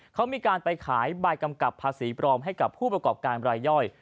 เขามีการไปขายใบกำกับภาษีปลอมให้กับผู้ประกอบการรายย่อย